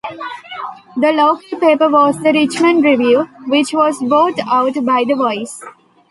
The local paper was the Richmond Review, which was bought out by The Voice.